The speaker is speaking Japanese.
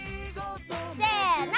せの！